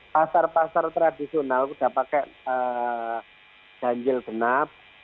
pasar pasar tradisional sudah pakai ganjil genap